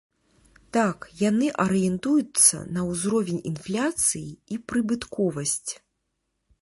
Так, яны арыентуюцца на ўзровень інфляцыі і прыбытковасць.